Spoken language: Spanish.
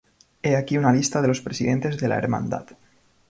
He aquí una lista de los presidentes de la Hermandad.